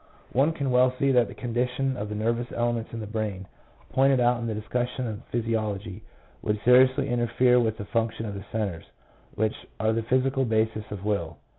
One can well see that the condition of the nervous elements in the brain, pointed out in the discussion on physiology, would seriously interfere with the function of the centres, which are the physical bases of will.